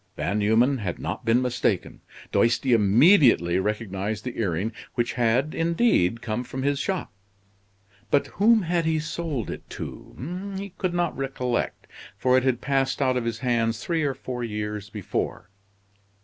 Van Numen had not been mistaken. Doisty immediately recognized the earring, which had, indeed, come from his shop. But whom had he sold it to? He could not recollect, for it had passed out of his hands three or four years before.